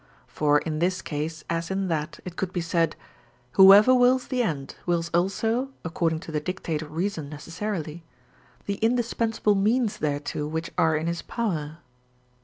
For in this case as in that, it could be said: "Whoever wills the end, wills also (according to the dictate of reason necessarily) the indispensable means thereto which are in his power."